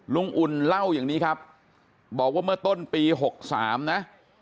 อุ่นเล่าอย่างนี้ครับบอกว่าเมื่อต้นปี๖๓นะ